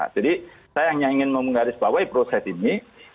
jadi saya hanya ingin menggarisbawahi proses ini